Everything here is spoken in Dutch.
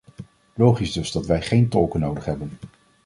Logisch dus dat wij geen tolken nodig hebben.